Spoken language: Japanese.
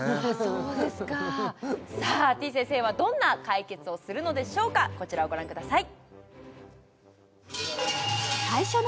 そうですかさあてぃ先生はどんな解決をするのでしょうかこちらをご覧ください